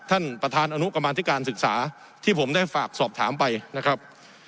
ท่านประธานอนุกรรมาธิการศึกษาที่ผมได้ฝากสอบถามไปนะครับ